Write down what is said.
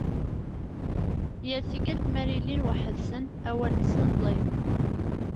Yal tikkelt mi ara ilin weḥḥed-sen awal-nsen ẓid.